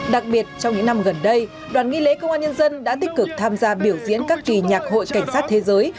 đặc biệt trong những năm gần đây đoàn nghi lễ công an nhân dân đã tích cực tham gia biểu diễn các kỳ nhạc hội cảnh sát thế giới